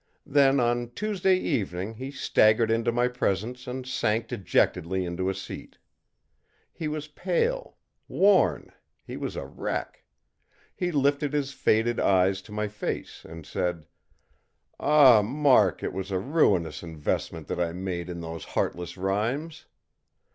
Then, on Tuesday evening, he staggered into my presence and sank dejectedly into a seat. He was pale, worn; he was a wreck. He lifted his faded eyes to my face and said: ìAh, Mark, it was a ruinous investment that I made in those heartless rhymes.